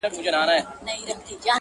په پټه او بې غږه ترسره سي،